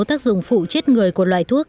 tác dụng phụ chết người của loài thuốc